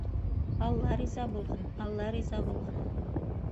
— Алла риза булһын, алла риза булһын!